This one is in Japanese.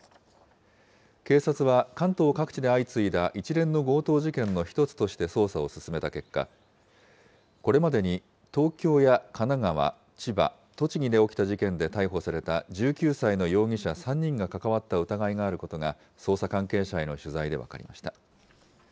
警察は関東各地で相次いだ一連の強盗事件の１つとして捜査を進めた結果、これまでに東京や神奈川、千葉、栃木で起きた事件で逮捕された１９歳の容疑者３人が関わった疑いがあることが、捜査関係者への取材で分かりました。